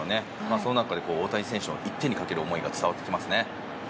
その中で大谷選手の１点にかける思いが伝わってきますね。